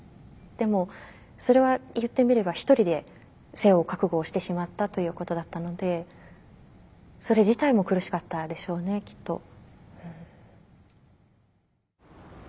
でもそれは言ってみれば一人で背負う覚悟をしてしまったということだったのでそれ自体も苦しかったでしょうねきっと。